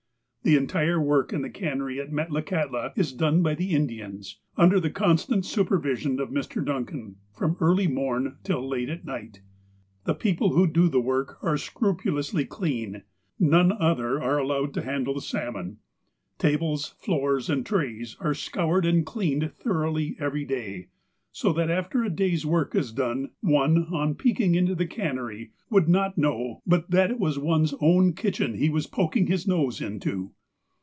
The entire work in the cannery at Metlakahtla is done by the Indians, under the constant supervision of Mr. Duncan from early morn till late at night. The people who do the work are scrupulously clean : none other are allowed to handle the salmon. Tables, floors, and trays are scoured and cleaned thoroughly every day, so that after a day's work is done, one, on peeking into the can nery, would not know but that it was one's own kitchen he was poking his nose into.